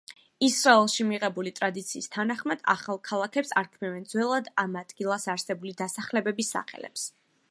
ისრაელში მიღებული ტრადიციის თანახმად, ახალ ქალაქებს არქმევენ ძველად ამ ადგილას არსებული დასახლებების სახელებს.